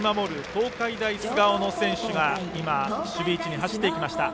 東海大菅生の選手が今、守備位置に走っていきました。